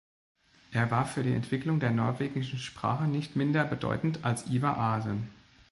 Er war für die Entwicklung der norwegischen Sprache nicht minder bedeutend als Ivar Aasen.